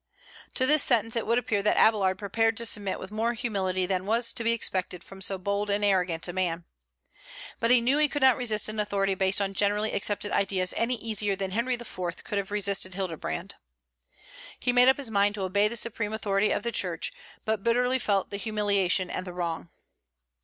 To this sentence it would appear that Abélard prepared to submit with more humility than was to be expected from so bold and arrogant a man. But he knew he could not resist an authority based on generally accepted ideas any easier than Henry IV. could have resisted Hildebrand. He made up his mind to obey the supreme authority of the Church, but bitterly felt the humiliation and the wrong.